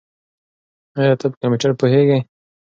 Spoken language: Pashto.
ایا ته په کمپیوټر پوهېږې؟